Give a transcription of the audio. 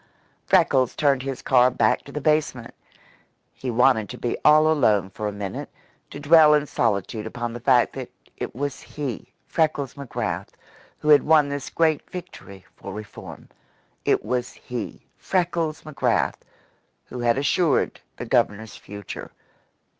Freckles turned his car back to the basement. He wanted to be all alone for a minute, to dwell in solitude upon the fact that it was he, Freckles McGrath, who had won this great victory for reform. It was he, Freckles McGrath, who had assured the Governor's future.